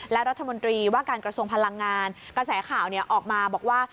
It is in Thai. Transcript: และรัฐมนตรีว่าการกระทรวงพลังงานกระแสข่าวออกมาบอกว่า